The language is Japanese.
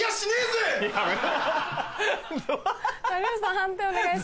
判定お願いします。